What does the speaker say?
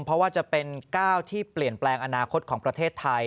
เพราะว่าจะเป็นก้าวที่เปลี่ยนแปลงอนาคตของประเทศไทย